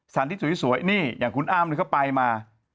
สารที่สวยนี่เหอะอย่างคุณอ้ามเขาไปมา